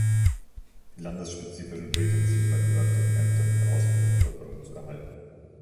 Die landesspezifischen Regeln sind bei den örtlichen Ämtern für Ausbildungsförderung zu erhalten.